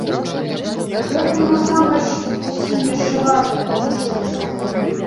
Гэтаму, насамрэч, усім яшчэ варта павучыцца.